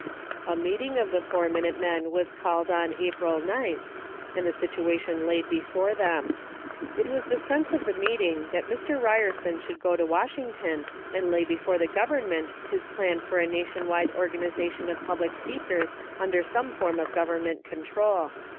A meeting of the Four Minute Men was called on April 9th, and the situation laid before them. It was the sense of the meeting that Mr. Ryerson should go to Washington and lay before the Government his plan for a nation wide organization of public speakers under some form of Government control.